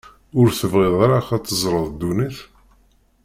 Ur tebɣiḍ ara ad teẓreḍ ddunit?